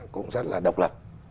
cũng rất là độc lập